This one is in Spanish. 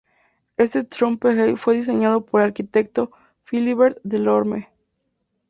Este trompe-l'œil fue diseñado por el arquitecto Philibert Delorme.